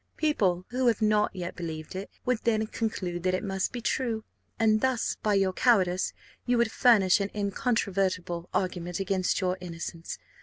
People who have not yet believed it would then conclude that it must be true; and thus by your cowardice you would furnish an incontrovertible argument against your innocence.